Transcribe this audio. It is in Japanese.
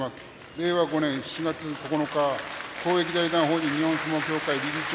令和５年７月９日公益財団法人日本相撲協会理事長